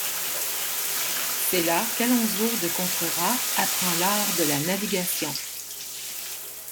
C’est là qu'Alonso de Contreras apprend l’art de la navigation.